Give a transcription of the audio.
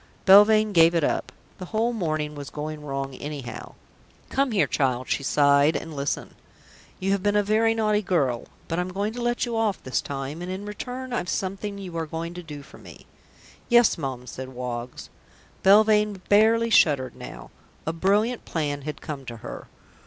Belvane gave it up. The whole morning was going wrong anyhow. "Come here, child," she sighed, "and listen. You have been a very naughty girl, but I'm going to let you off this time, and in return I've something you are going to do for me." "Yes, Mum," said Woggs. Belvane barely shuddered now. A sudden brilliant plan had come to her.